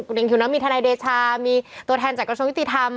คุณอิงคิวนะมีทนายเดชามีตัวแทนจากกระทรวงยุติธรรม